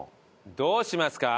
どうしますか？